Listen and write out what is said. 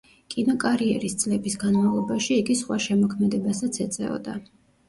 კინოკარიერის წლების განმავლობაში იგი სხვა შემოქმედებასაც ეწეოდა.